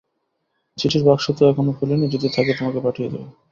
চিঠির বাক্স তো এখনো খুলি নি, যদি থাকে তোমাকে পাঠিয়ে দেব।